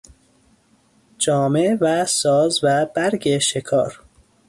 جامه و ساز و برگ شکار